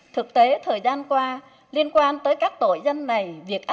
thực tế thời gian qua liên quan tới các tội dân này